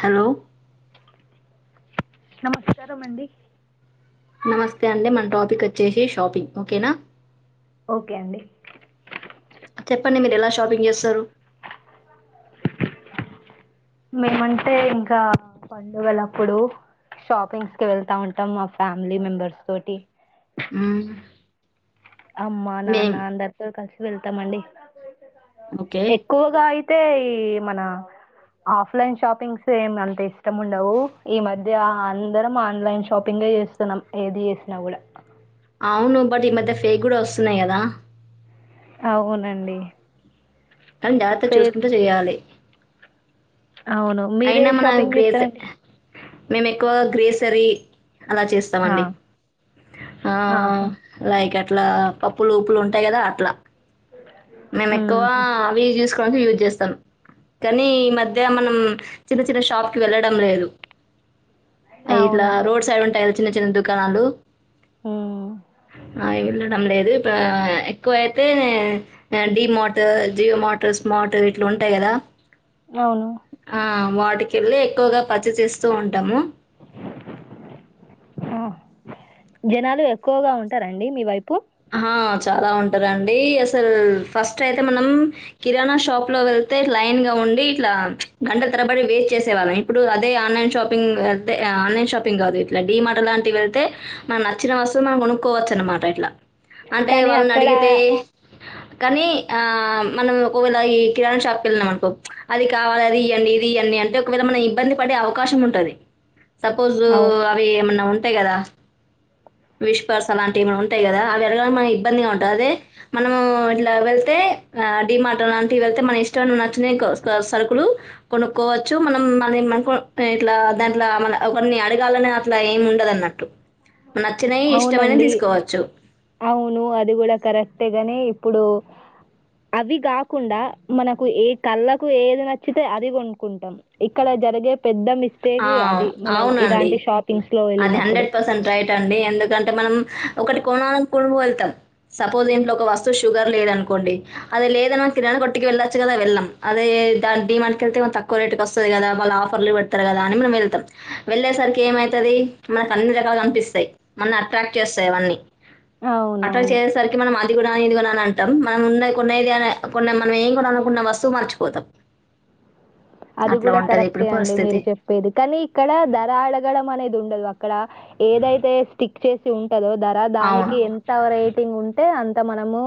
Hello నమస్కారం అండి నమస్తే అండి మన టాపిక్ వచ్చేసి షాపింగ్ ఓకేనా ఓకే అండి చెప్పండి మీరు ఎలా షాపింగ్ చేస్తారు మేం అంటే ఇంక పండుగలప్పుడు షాపింగ్స్ కి వెళ్తా ఉంటాం మా ఫ్యామిలీ మెంబర్స్ తోటి ఊహూ అమ్మ నాన్న అందరితో కలిసి వెళ్తామండి ఓకే ఎక్కువగా ఇ తే ఈ మన ఆఫ్లైన్ షాపింగ్స్ ఏం అంత ఇష్టం ఉండవు ఈ మధ్య అందరం ఆన్లైన్ షాపింగ్ [unintelligible] చేస్తున్నం ఏది చేసినా కూడా అవును బట్ ఈ మధ్య ఫేక్ కూడా వస్తున్నాయి కదా అవునండి కానీ జాగ్రత్తగా ఫేక్ చూసుకుంటూ చెయ్యాలి అవును మీరే అయినా మనం షాపింగ్ గ్రేసే చేస్తారండి మేము ఎక్కువ గ్రేసరీ అలా ఆ, చేస్తామండి ఆ ఆహా లైక అట్లా పప్పులు ఉప్పులు ఉంటాయి కదా అట్లా మేము ఎక్కువ ఉమ్, అవి చూసుకోవడానికి యూజ్ చేస్తాం కానీ ఈ మధ్య మనం చిన్న చిన్న షాప్ కి వెళ్ళడం లేదు అ ఇట్లా అవునండి రోడ్ సైడ్ ఉంటాయి చిన్న చిన్న దుకాణాలు ఉమ్. ఆ వెళ్ళడం లేదు ఇప్పు ఎక్కువ అయితే డి మోట్ జియో మోట్ స్మార్ట ఇట్లా ఉంటాయి కదా అవును వాటికి వెళ్ళి ఎక్కువగా పచ్చి చేస్తూ ఉంటాము ఆ జనాలు ఎక్కువగా ఉంటారండి మీ వైపు ఆ చాలా ఉంటారుండి అసలు ఫస్ట్ అయితే మనం కిరాణా షాప్ లో వెళ్ లైన్ గా ఉండి ఇట్లా గంటల తరబడి వెయిట్ చేసేవాళ్ళం ఇప్పుడు అదే ఆన్లైన్ షాపింగ్ అంతే ఆన్లైన్ షాపింగ్ కాదు ఇట్లా డి మార్ట్ లాంటివి అయితే మనం నచ్చిన వస్తువు మనం కొనుక్కోవచ్చు అనమాట ఇట్లా అంటే కానీ వాళ్ళని అక్కడ అడిగితే కానీ ఆ మనం ఒకవేళ ఈ కిరాణా షాప్కి వెళ్ళినాం అనుకో అది కావాలి అది ఈయండి ఇ ఈయండి అంటే ఒకవేళ మనం ఇబ్బంది పడే అవకాశం ఉంటది సపోజ్ అవు అవి ఏమన్నా ఉంటాయి కదా విష్ పర్స్ అలాంటివి ఏమనా ఉంటాయి కదా ఆవి వెరగా మన ఇబ్బందిగా ఉంటుంది అదే మనము ఇట్లా వెళ్తే ఆ డి మార్ట లాంటివి వెళ్తే మన ష్ట నచ్చ సరుకులు కొనుక్కోవచ్చు మనం మ ఇలా దాంట్లో ఒకరిన్ని అడగాలనే అట్లా ఏమి ఉండదున్నట్టు నచ్చినయి ఇష్టమైన అవునండి తీసుకోవచ్చు అవును అది కూడా కరెక్టేగానే ఇప్పుడు అవి కాకుండా మనకు ఏ కళ్ళకు ఏది నచ్చితే అది వంకుంటాం ఇక్కడ జరిగే పెద్ద ఆ! మిస్టేక్ అది మనం అవునండి. ఇలాంటి షాపింగ్స్ లో అది వెళ్ళినప్పుడు రైట్ అండి ఎందుకంటే మనం ఒకటి కొనాలని కొనుగ వెళ్తాం సపోజ్ ఇంట్లో ఒక వస్తువు షుగర్ లేద అనుకోండి అదే లేదన మ కిరాణ కొట్టికి వెళ్ళచ్చు కదా వెళ్ళం అదే దా డిమాండ్కి వెళ్తే తకువ రేటుకి వస్తుంది కదా వాళ్ళ ఆఫర్లు పెడారు కదా అని మనం వెళ్తాం వెళ్ళేసరికి ఏమై ది మనకు అన్ని రకాలుగా కనిపిస్తాయి మన అట్రాక్ట్ చేస్తాయి అవన్నీ పట్ట్రా అవునవును చేసేసరికి మనం మ ఇది కూడా ఇది కూడాన అని అంటా మనం ఉన్న కొన్నది అ కొ మనం ఏం కూడా అనుకున్న వస్తువు మర్చిపోతాం అది అట్లా కూడా ఉంటది ఇప్పుడు కరెక్టే అండి పరిస్థితి. మీరు చెప్పేది కానీ ఇక్కడ ధర అడగడం అనేది ఉండదు అక్కడ ఏదైతే స్టిక్ చేసి ఉ కదో ధర దానికి అవును. ఎంత రేటింగ్ ఉంటే అంత మనము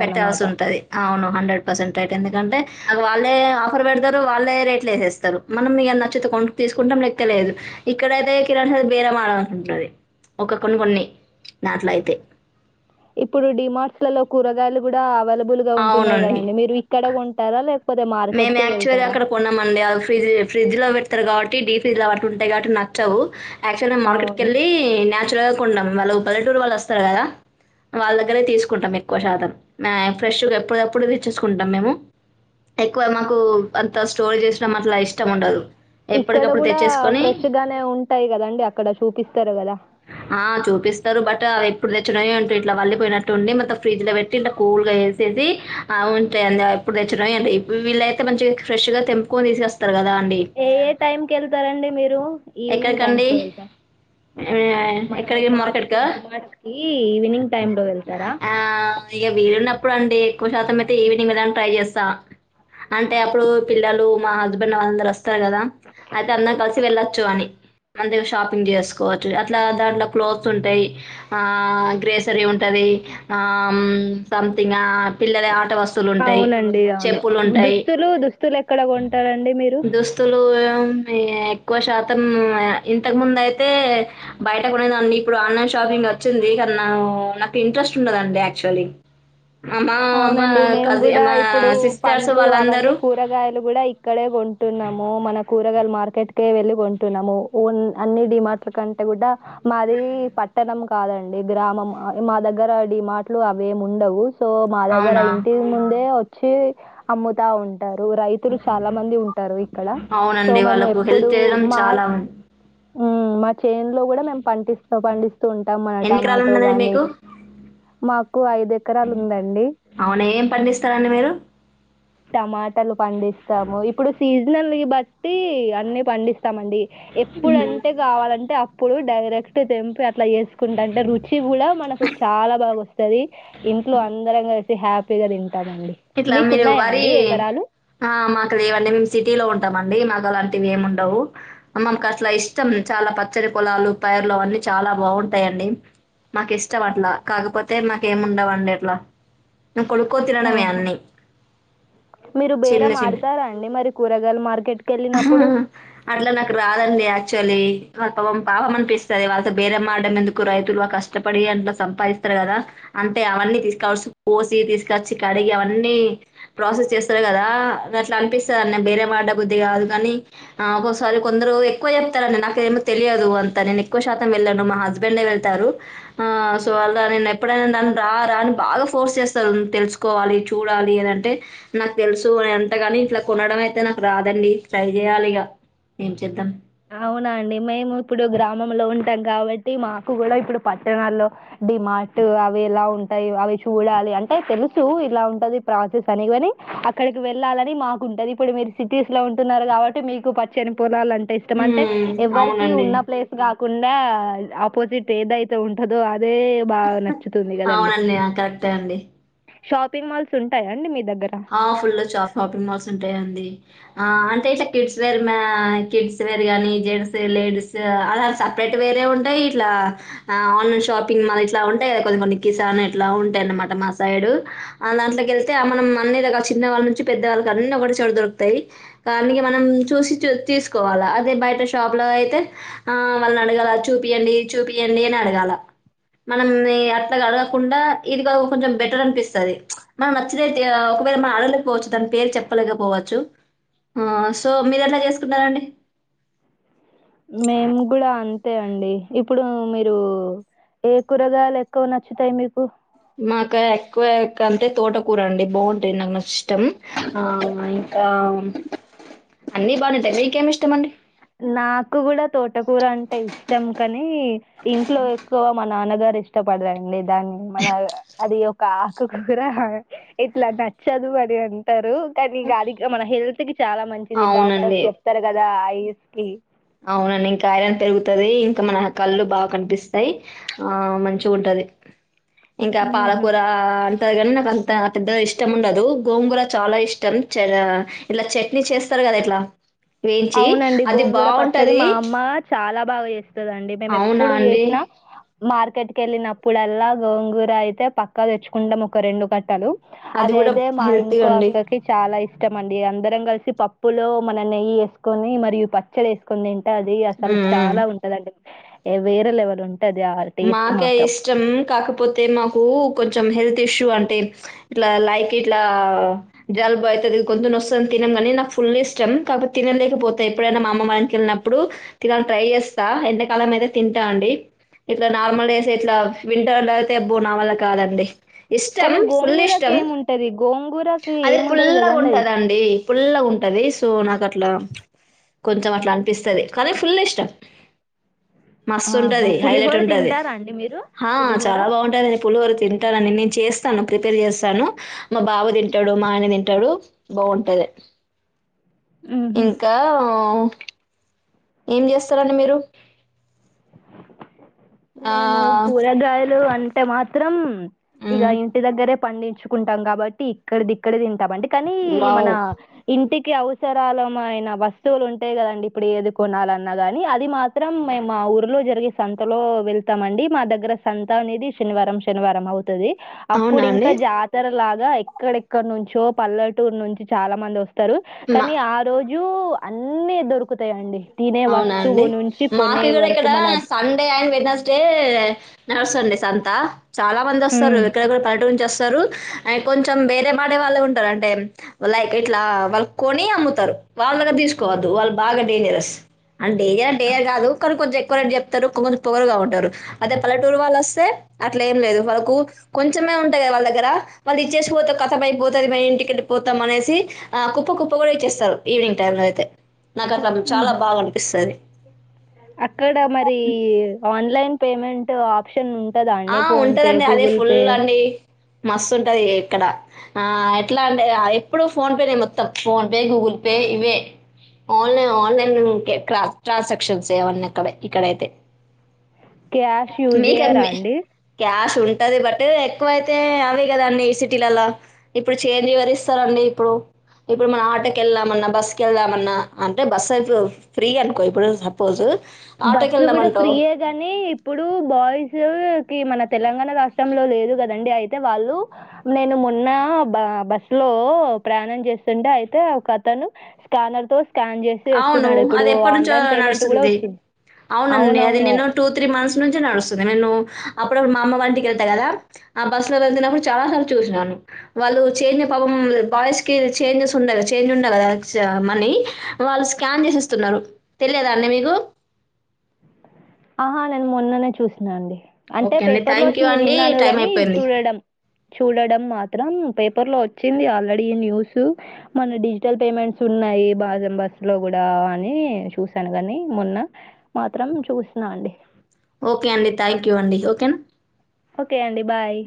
పెట్టాల్సి ఉంటది అవును హండ్రెడ్ ఎందుకంటే వాళ్ళే ఆఫర్ పెడతారు వాళ్ళే రేట్లుేస్తారు మనం మీ నచ్చితే కొ తీసుకుంటాం లెక్కలేదు ఇక్కడయితే కిరణది బేరమాడ అంటంటుది ఒక కొన్ని కొన్ని నాట్లో అయితే ఇప్పుడు డిమార్ట్స్ లలో కూరగాయలు కూడా అవైలబుల్ గా ఉంటున్నాయి అవునండి కదండి మీరు ఇక్కడ ఉంటారా లే మేము యాక్చువల్గా అక్కడ కొన్నాండి ఫ్రిజ్ ఫ్రిజ్ లో పెడతారు కాబట్టి డీ ఫ్రిజ్ లో అటు ఉంటాయి కాబట్టి నాకు యాక్చువల్ మ మార్కెట్ అవును కెళ్ళి నేచురల్ గా కొ ఉంటన్నాం వాళ్ళు పలెటూరు వాళ్ళు వస్తారు కదా వాళ్ళ దగ్గరే తీసుకుంటాం ఎక్కువ శాతం ఫ్రెష్ ఎప్పుడుప్పుడు తెచ్చేసుకుంటాం మేము ఎక్కువ మాకు అంత స్టోర్ చేసడం అట్లా ఇష్టం ఉండదు ఇక్కడ ఎప్పటికప్పుడు కూడా తెచ్చేసుకొని ఫ్రెష్ గానే ఉంటాయి కదండి అక్కడ చూపిస్తారు కదా ఆ చూపిస్తారు బట్ ఎప్పుడు తెచ్చినవిో ఇట్లా వళ్లిపోయినట్టుడి మత్తం ఫ్రిజ్ లో పెట్టి ఇట్లా కూల్ గా వేసేసి ఉంటా అడి అప్పుడు తెచ్చినడి వీళ్ల అయితే మంచి ఫ్రెష్ గా తెంపుకని తీసుకొస్తారు కదా అండి ఏ ఏ టైమ్కి వెళ్తారంండి మీరు ఈవినింగ్ టైమ్స్ ఎక్కడికండి లో వెళ్తారు ఆ, మన ఎక్కడికి మార్చ్ కి మార్కెట్కా డి మార్చ్ కి ఈవినింగ్ టైమ్ లో వెళ్తారా అ వీరున్న ఇప్పుడుండి ఎక్కువ శాతం అయితే ఈవినింగ్ వెళ్ళని ట్రై చేస్తా అంటే అప్పుడు పిల్లలు మా హస్బెండ్ వాళ్ళందరుూ వస్తారు కదా అయితే అందరం కలిసి వెళ్ళొచ్చు అని అందుగా షాపింగ్ చేసుకోవచ్చు అట్లా దాంట్లో క్లోత్స్ ఉంటాయి ఆ గ్రేసరీ ఉంటది అవునండి పి అవును ఉంటాయి దుస్తులు దుస్తులు ఎక్కడ కొంటారండి మీరు దుస్తులు ఎక్కువ శాతం ఇంతకు ముందు అయితే బయట కొనేదా ఇప్పుడు ఆన్లైన్ ష గ్ వచ్చింది కానీ నాకు ఇంట్రెస్ట్ ఉంటదండి క్చువలీ అమ్మా అమ్మా అవునండి మేము కది కూడా అమ్మా ఇప్పుడు సిస్ పండ్లు అవన్నీ కూరగాయలు కూడా ఇక్కడే కొంటున్నాము మన కూరగాయలు మార్కెట్కే వెళ్ళి కొంటున్నాము ఊన్ అన్ని డిమాార్ట్ల కంటే కూడా మారి పట్ట న కాదండి గ్రామం మా దగ్గరడి ఈ మాటలు అవిేమి ఉండవు సో మా దగ్గర అవునా! ఇంటి ముందే వచ్చి అమ్ముతా ఉంట టారు రైతులు చాలా మంది ఉంటారు ఇక్కడ సో అవునండి మేము వాళ్ళకు హెల్ప్ ఎప్పుడు చేయడం మా చాలా ఉంది. ఉ మా చేైన్ లో కూడా మేం పడిస్తూ పండిస్తూ ఉంటాం మన ఎన్ని ఎకరాలు టమాటో ఉన్నదండి గాని మీకు మాకు ఐద ఎకరాలు అవునా ఏం పండిస్తారండి మీరు టమాటలు పండిస్తాము ఇప్పుడు సీజనల్ బట్టి అన్ని పండిస్తా స్తాండి మ్మ్. ఎప్పుడుంటే కావాలంటే అప్పుడు డైరెక్ట్ తెంపి అట్లా చేేసుకుంటా అంటే రుచి కూడా మనకు చాలా బాగా వస్తది ఇంట్లో అందరం కలిసి హ్యాపీగా తింట ఇట్లా మీరు వరి ఆ మాకు లేవండి మేము సిటీ లో ఉంటామండి మాకు అలాంటి వి ఏమి ఉండవు మకు అసలు ఇష్టం చాలా పచ్చడి పొలాలు పైర్లు అవన్నీ చాలా బాగుంటాయి మాకు ఇష్టం అట్లా కాకపోతే మాక ఏమి ఉండవండి అట్లా కొనుకొని తినడమే ఆహా! అన్నీ మీరు చిన్న బేరం చిన్న ఆడతారా అండి మరి కూరగాయల మార్కెట్‌కెళ్ళినప్పుడు? అట్లా నాకు రాదండి యాక్చు చలే పాపమ అంటే ఇస్ట సరే వాళ్తో బేరం మడడం ఎందుకు రైతులు కష్టపడి అట్ల సంపాదిస్తారు కదా అంటే అవన్నీ తీసుకోవాల్సిన పోసి తీసుకొచ్చి కడిగి అవన్నీ ప్రాసెస్ చేస్తారు కదా అట్లా అనిపిస్తుందిండి బేరే వాడ బుద్ధది కాదు కాని ఆ ఒక్కోసారి కొందరు ఎక్కువ చెప్తారండి నాక ఏమో తెలియదు అంతా నేను ఎక్కువ శాతం వెళ్ళాను మా హస్బెండ్ వెళ్తారు ఆ సో అ నేను ఎప్పుడైనా దా రా రా అని బాగా ఫోర్స్ చేస్తారు తెలుసుకు కోవాలి చూడాలి అనింటే నాకు తెలుసు ఎంతగాని ఇట్లా కొనడం అయితే నాకు రాదండి ట్రై చే చేయాలిగా ఏమి చేద్దాం అవునా అండి మేము ఇప్పుడు గ్రామంలో ఉంటాం కాబట్టి మాకు కూడా ఇప్పుడు పట్టణాల్లో డిమార్ట్ అవి ఎలా ఉంటాయి అవి చూడాలి అంటే తెలుసు ఇలా ఉంటది ప్రాసెస్ అని కాని అక్కడికి వెళ్ళాలని మాకుంటది ఇప్పుడు మీరు సిటీస్ లో ఉంటున్నారు కాబట్టి మీకు పచ్చని పొలాలుంట ష్ట అంటే హ్మ్. ఎవ్వరికి అవునండి. ఉన్న ప్లేస్ కాకుండా ఆపోజిట్ ఏదైతే ఉంటందో అ అదే బాగా నచ్చుతుంది కదండి అవునండి. ఆ! కరెక్టే అండి. షాపింగ్ మాల్స్ ఉంటాయా అండి మీకు ఆ ఫుల్ షాపింగ్ మాల్స్ ఉంటాయండి ఆ అంటే ఇట్లా కిడ్స్ వేర్ కిడ్స్ వేర్ కాని జెంట్స్ లేడీస్ అలా సపరేట్ వేర్ ఉంటా ఇట్ ఆన్లైన్ షాపింగ్ ఇట్లా ఉంటాయి కదా కొ కొన్ని కిసాన్ ఇట్లా ఉంటాయి అన్నమాట మా సైడు ఆ దాంట్లోకి వెళ్తే మనం అన్న చిన్న వాళ్ళ నుంచి పెద్దవాళ్ళకి అన్ని ఒకటె చోట దొరుకుతాయి దానికి మనం చూసి తీసుకోవాలి అదే బయట షాప్ లో అయితే ఆ వాళ్ళని అడగాల చూపిించడి చూపించండి అని అడగాల మనం అట్లా అడగకుండా ఇది కా కొంచెం బెటర్ అనిపిస్తుంది మనం నచ్చినయి ఒకవేళ మ ఆడలేకపోవచ్చు దాని పేరు చెప్పలేకపోవచ్చు ఆ సో మీరు ఎట్లా చేసుకుంటారండి మేము కూడా అంతే అండి ఇప్పుడు మీరు ఏ కూరగాయలు ఎక్కువ నచ్చుతాయి మీకు మాకు ఎక్కువ అంటే తోటకూర అండి బాగుంటాది నాకు ఇష్టం ఆ ఆ అన్ని బానేంటాయి మీకేమి ఇష్టం అండి నాకు కూడా తోటకూర అంటే ఇష్టం కాని ఇంట్లో ఎక్కువ మా నాన్నగారు ఇష్టపడదండి దాన్ని మన అది ఒక ఆకుకూర ఇట్లా నచ్చదు అది అంటారు కానీ ఇంకా అది మన హెల్త్ కి చాలా మంచిది డాక్టర్స్ అవునండి. చెప్తారు కదా ఐఎస్ కి అవునండి ఇంకా ఐరన్ పెరుగుతుంది ఇంకా మన కళ్ళు బాగా కనిపిస్తాయి ఆ మంచి ఉంటది ఇంకా పాలకూర అ కాని నాకు అంత అద్ద ఇష్టం ఉండదు గోంగూర చాలా ఇష్టం ఇలా చట్నీ చేస్తారు కద ఇట్లా వేయించి అది బాగు స మా అమ్మ చాలా బాగా చేస్తుందిండి మేము అవునా ఎప్పుడు అండి చేసిన మార్కెట్కి వెళ్ళినప్పుడల్లా గోంగూర అయితే పక్కా తెచ్చుకుంటాం ఒక రెండు కట్టలు అది కూడా అయితే మా హెల్తీ ఇంకో అండి. అక్కకి చాలా ఇష్ట ఇష్టమండి అందరం కలిసి పప్పులో మనం నెయ్యి వేసుకొని మరియు పచ్చలు వేసుకని తింట ది అసలు హ్మ్ హ్మ్ చాలా ఉంటదండి వేరే లెవల్ ఉంట మాక ఇష్టం కాకపోతే మాకు కు కొంచెం హెల్త్ ఇష్యూ అంటే ఇట్లా లైక్ ఇట్లా జలుబ్ అయితది కోసం తినం కాని నాకు ఫుల్ ఇష్టం కాకతే తినలేకపోతే ఎప్పుడైనా మా అమ్మమ్మళ్ళ ఇంటికి ఎళ్ళినప్పుడు తినాల ట్రై చెస్తా ఎంతకాలం అయితే తింటా అండి ఇట్లా నార్మల్ డేస్ ఇట్లా వింటర్లో అయితే అబ్బో నావల్ల కాదండి ఇష్టం కానీ ఫుల్ గోంగూరకి ఇష్టం ఏముంటుంది గోంగూరకి అది ఏముండదు పుల్లగా కదండి అది. ఉంటదండి పుల్లగా ఉంట ది సో నాక ట్లా కొంచం అట్లా అనిపిస్తాది కానీ ఫుల్ ఇష్టం ఆహా, మస్తుంటది హైలైట్ పులిహోర ఉంటది తింటారా అండి మీరు ఆ పులిహోర చాలా బాగుంటది నేను పులిహోర తింటానని నేను చేస్తాను ప్రిపేర్ చేస్తాను మా బావ తింటాడు మా ఆయన తింటాడు బాగుంట దే మ్మ్హ్మ్. ఇంకా ఏం చేస్తారండి మీరు మేము ఆహ్, కూరగాయలు అంటే మాత్రం ఇగ హ్మ్. ఇంటి దగ్గరే పండించుకుంటాం కాబట్టి ఇక్కడది ఇక్కడే తింటాం అండి కానీ మన వావ్! ఇంటి కి అవసరాలమైన వస్తువులు ఉంటాయి కదండి ఇప్పుడు ఏది కొనాలన్న గాని అది మాత్రం మేము మాఊర్లో జరిగే సంతలో వెళ్తామండి మా దగ్గర సంత అనేది శనివారం శనివారం అవు తాది అప్పుడు అవునా అండి? ఇంకా జాతర లా గ ఎక్కడెక్కడనుంచో పల్లెటూరు నుంచి చాలా మంది వస్తారు మా కానీ ఆ రో జు అన్నీ దొరుకుతాయండి తినే అవునా అండి వస్తువు నుంచి మాకు కొనే గూడా ఇక్కడ వరకు మన సండే అండ్ వెడ్నెస్ డే నడుస్తుంది సంత చాలా మంది వస్తారు హ్మ్ ఇక్కడ కూడా పల్లెటూరు నుంచి వ తారు అయి కొంచెం బేరమాడే వాళ్ళే ఉంటారు అంటే లైక్ ఇట్లా వాళ్ళు కొని అమ్ముతారు వాళ్ళ దగ్గర తీసుకోవద్దు వాళ్ళు బాగా డేంజరస్ అ‌ డేంజర్ డేజర్ కాదు కానీ కొంచెం ఎ క్కువ రేట్ చెప్తారు కొకొంచెం పొగరుగా ఉంటారు అదే పల్లెటూరు వాళ్ళు అస్తే అట్లేం లేదు వాళ్ళకు కొంచెం వనే ఉంటాయి కదా వాళ్ళ దగ్గర వాళ్ళ్ది ఇచ్చేసిపోతే కథం అయిపోతాది మే ఇంటికెళ్ళిపోతాం అనేసి ఆ కుప్ప కుప్పగా ఎచ్చేస్తారు ఈవినింగ్ టైం లో అయితే నాకట్ల చాలా ఉహు బా అక్కడ మరి ఆన్లైన్ పేమెంట్ ఆప్షన్ ఉం ఆ ఉంటదండి అదే ఫుల్ అండి మస్తుంటది ఎక్కడ ఆ ఎట్లా అంటే ఎప్పుడు ఫోన్ పేనే మొత్తం phone pay Google Pay ఇవే ఆన్లైన్ ఆన్లైనుకే ట్రాన్స్ ట్రాన్సాక్షన్స్ ఏవన్నీ అక్కడే ఇక్కడైతే క్యాష్ యూజ్ మీకు చెయ్యరా అండి క్యాష్ ఉంటది బట్ ఎక్కువ అయితే అవే కదండి సిటీలలో ఇప్పుడు చేంజ్ ఎవరిస్తారంండి ఇప్పుడు ఇప్పుడు మనం ఆటోకేళ్దామన్నా బస్సుకేళ్దామన్నా అంటే బస్సు ఫ్రీ అనుకో ఇప్పుడు సపోజు బస్సు కూడా ఫ్రీయే గానీ ఇప్పుడు బాయ్స్ కి మన తెలంగాణ రాష్ట్రంలో లేదు కదండి అయితే వాళ్ళు నేను మొన్న బస్లో ఓ ప్రయాణం చేస్తుండే అయితే ఒకతను స్కానర్ తో స్కాన్ చేసి అవును. వేస్తున్నాడు ఇప్పుడు అది ఎప్పటినుంచో ఆన్లైన్ పేమెంట్ కూడా నడుస్తుంది. వచ్చింది అవునండి అది అవునవును నేను టూ త్రీ మంత్స్ నుంచి నడుస్తుంది నేను అప్పుడప్పుడు మాఅమ్మ వాళ్ళ ఇంటికి వెళ్తా కదా ఆ బస్లో వెళ్తున్నప్పుడు చాలాసార్లు చూ శాను వాళ్ళు చేంజ్ పాపం బాయ్స్‌కి చేంజెస్ ఉండేకద చేంజ్ ఉండ కదా మనీ వాళ్ళు స్కాన్ చేసిస్తున్నారు తెలియదా అండి మీకు ఆహా నేను మొన్ననే చూసినా అండి అంటే ఓకే అండి. పేపర్లో థాంక్ యూ వచ్చింది అండి. విన్నాను టైం గాని అయిపోయింది. చూడడం చూడడం మాత్రం పేపర్లో వచ్చింది ఆల్రెడీ ఈన్యూసు మన డిజిటల్ పేమెంట్స్ ఉన్నాయి బాజం బస్లో కూ డా అని చూశాను కానీ మొన్న మాత్రం చూసిన అండి ఓకే అండి థ్యాంక్ యూ అండి ఓకేనా కే అండి బాయ్